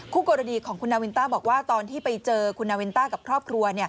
คู่กรณีของคุณนาวินต้าบอกว่าตอนที่ไปเจอคุณนาวินต้ากับครอบครัว